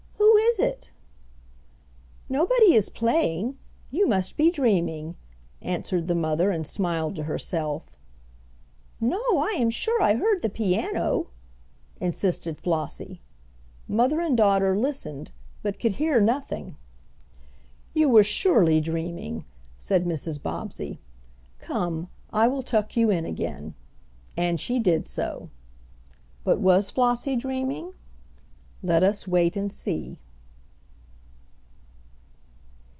"Who is it?" "Nobody is playing. You must be dreaming," answered the mother, and smiled to herself. "No, I am sure I heard the piano," insisted Flossie. Mother and daughter listened, but could hear nothing. "You were surely dreaming," said Mrs. Bobbsey. "Come, I will tuck you in again," and she did so. But was Flossie dreaming? Let us wait and see.